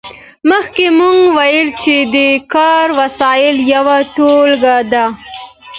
مخکې مو وویل چې د کار وسایل یوه ټولګه ده.